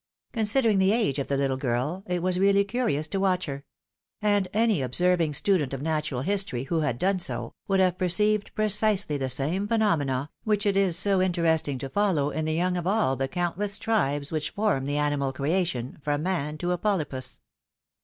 Considering the age of the little girl, it was really curious to watch her; and any observing student of natural history who had done so, would have perceived precisely the same phenomena, which it is, so interesting to foUow, in the young of all the countless tribes which form the animal creation, from man to a polypus.